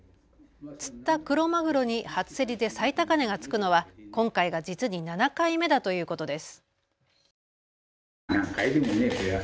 釣ったクロマグロに初競りで最高値がつくのは今回が実に７回目だということです。